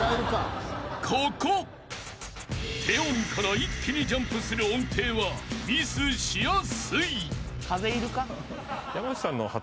［低音から一気にジャンプする音程はミスしやすい］